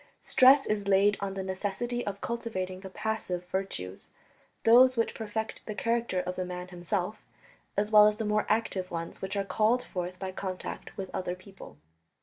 Stress is laid on the necessity of cultivating the "passive" virtues those which perfect the character of the man himself as well as the more active ones which are called forth by contact with other people.